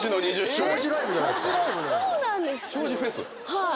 はい。